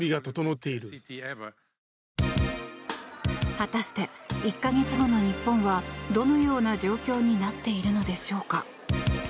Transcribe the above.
果たして１か月後の日本はどのような状況になっているのでしょうか。